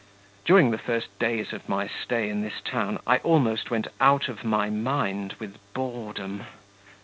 During the first days of my stay in this town, I almost went out of my mind with boredom.